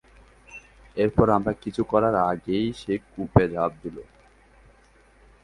এরপর আমরা কিছু করার আগেই, সে কূপে ঝাঁপ দিল।